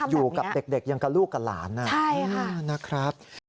อยู่กับเด็กยังกับลูกกับหลานนะครับ